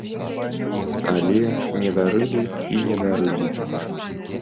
Але не дарылі і не дарылі.